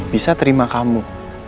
bisa terima kamu